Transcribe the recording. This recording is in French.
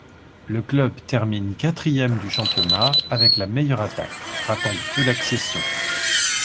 Le club termine quatrième du championnat, avec la meilleure attaque, ratant de peu l'accession.